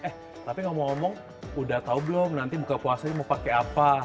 eh tapi ngomong ngomong udah tau belum nanti buka puasa ini mau pakai apa